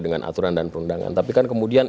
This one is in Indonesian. dengan aturan dan perundangan tapi kan kemudian